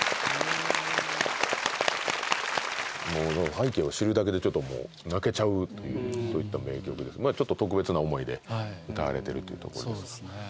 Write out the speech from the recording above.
背景を知るだけでちょっともう泣けちゃうというそういった名曲でちょっと特別な思いで歌われてるというところですがはいそうですね